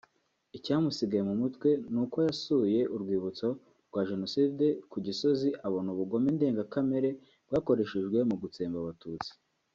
icyamusigaye mu mutwe ni uko yasuye Urwibutso rwa Jenoside ku Gisozi abona ‘ubugome ndengakamere bwakoreshejwe mu gutsemba Abatutsi’